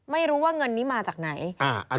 ไม่รู้ว่าเงินนี้มาจากไหน